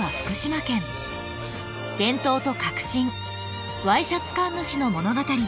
伝統と革新Ｙシャツ神主の物語です。